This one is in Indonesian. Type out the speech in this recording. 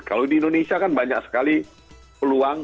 kalau di indonesia kan banyak sekali peluang